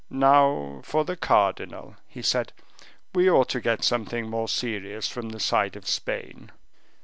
"Now for the cardinal," he said; "we ought to get something more serious from the side of Spain."